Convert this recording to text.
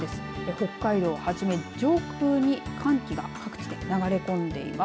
北海道をはじめ上空に寒気が各地で流れ込んでいます。